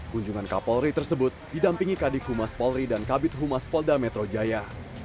kunjungan kapolri tersebut didampingi kadif humas polri dan kabit humas polda metro jaya